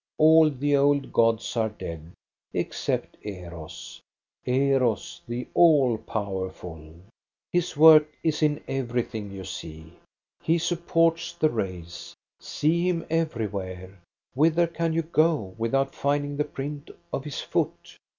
All the old gods are dead ex cept Eros, Eros, the all powerful ! His work is in everything you see. He supports the race. See him everywhere ! Whither can you go without finding the print of his foot?